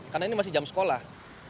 karena ini masih jam sekolah